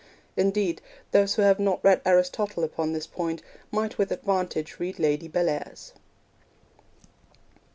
Indeed, those who have not read Aristotle upon this point might with advantage read Lady Bellairs.